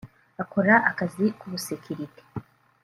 akora akazi k’ubusekirite